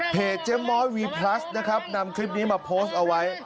เจ๊ม้อยวีพลัสนะครับนำคลิปนี้มาโพสต์เอาไว้